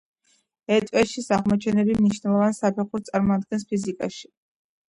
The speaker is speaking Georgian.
ეტვეშის აღმოჩენები მნიშვნელოვან საფეხურს წარმოადგენს ფიზიკაში.